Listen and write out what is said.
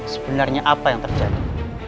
sebenarnya apa yang terjadi